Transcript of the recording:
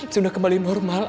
sudah kembali normal